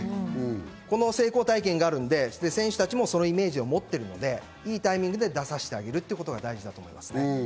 この成功体験があるので、選手たちもそのイメージを持っているので、いいタイミングで出させてあげるってことが大事です。